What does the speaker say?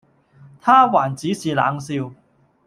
他還只是冷笑，